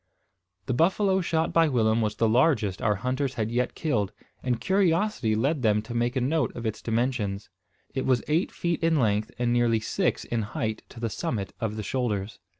The buffalo shot by Willem was the largest our hunters had yet killed; and curiosity led them to make a note of its dimensions. It was eight feet in length, and nearly six in height to the summit of the shoulders.